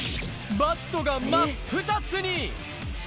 バットが真っ二つに。